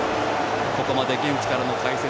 ここまで現地からの解説